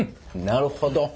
なるほど。